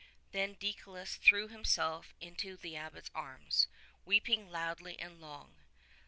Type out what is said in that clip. Then Deicolus threw himself into the Abbot's arms, weep ing loudly and long.